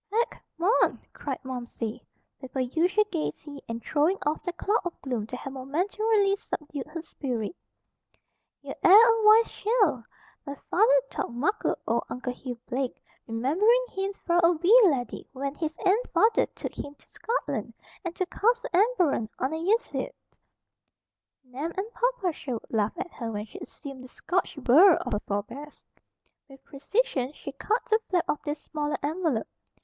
"Heck, mon!" cried Momsey, with her usual gaiety, and throwing off the cloud of gloom that had momentarily subdued her spirit. "Ye air a wise cheil. Ma faither talked muckle o' Uncle Hughie Blake, remimberin' him fra' a wee laddie when his ain faither took him tae Scotland, and tae Castle Emberon, on a veesit." Nan and Papa Sherwood laughed at her when she assumed the Scotch burr of her forebears. With precision she cut the flap of this smaller envelope.